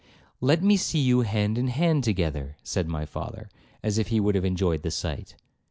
'Let me see you hand in hand together,' said my father, as if he would have enjoyed the sight.